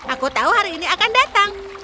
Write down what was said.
aku tahu hari ini akan datang